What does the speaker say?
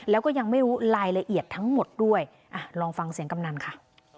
แล้วก็ยังไม่รู้รายละเอียดทั้งหมดด้วยลองฟังเสียงกำนันค่ะ